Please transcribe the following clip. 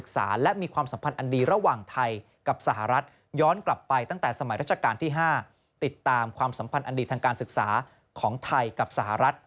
ติดตามความสัมพันธ์อันดีตทางการศึกษาของไทยกับสหรัฐ